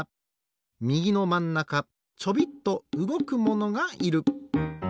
みぎのまんなかちょびっとうごくものがいる。